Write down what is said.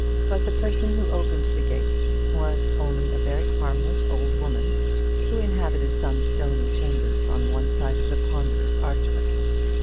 But the person who opened the gates was only a very harmless old woman, who inhabited some stony chambers on one side of the ponderous archway.